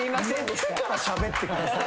ノってからしゃべってください。